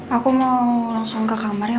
aku mau langsung ke kamarnya